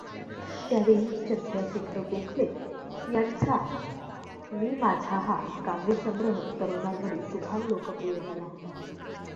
त्यावेळी चंद्रशेखर गोखले यांचा मी माझा हा काव्यसंग्रह तरुणांमध्ये तुफान लोकप्रिय झाला होता.